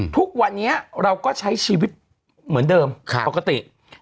ทุกวันนี้เราก็ใช้ชีวิตเหมือนเดิมปกติ